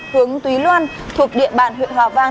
hướng túy loan thuộc địa bàn huyện hòa vang